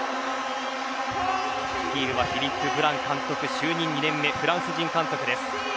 率いるは、フィリップ・ブラン監督、就任２年目フランス人監督です。